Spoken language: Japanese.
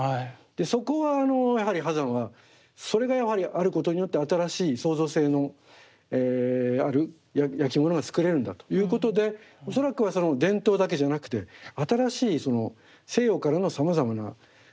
そこはやはり波山はそれがやはりあることによって新しい創造性のあるやきものが作れるんだということで恐らくはその伝統だけじゃなくて新しい西洋からのさまざまな技術デザイン。